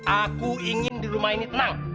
aku ingin di rumah ini tenang